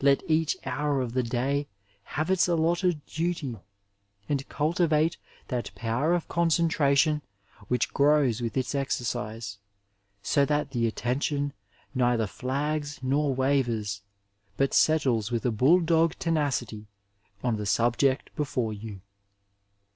Let each hour of the day have its allotted duty, and cultivate that power of concentration which grows with its exercise, so that the attention neither flags nor wavers, but settles with a bull dog tenacity on the subject before you.